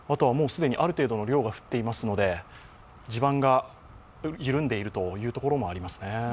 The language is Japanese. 既にある程度の量が降っていますので、地盤が緩んでいるというところもありますね。